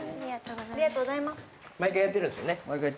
毎回やってるんすよね。